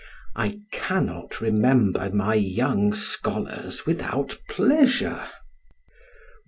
I cannot remember my young scholars without pleasure.